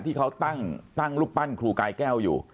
ที่เขาตั้งรูปปั้นครูกายแก้วอยู่